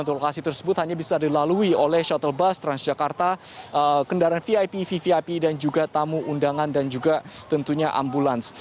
lokasi tersebut hanya bisa dilalui oleh shuttle bus transjakarta kendaraan vip vvip dan juga tamu undangan dan juga tentunya ambulans